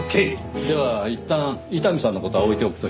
ではいったん伊丹さんの事は置いておくとして。